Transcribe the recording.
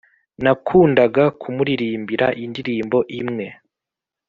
Nakundaga kumuririmbira indirimbo imwe